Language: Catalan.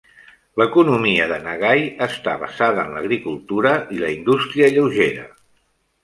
L'economia de Nagai està basada en l'agricultura i la indústria lleugera.